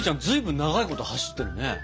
ずいぶん長いこと走ってるね。